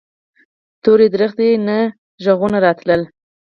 تورې ونې نه غږونه راتلل.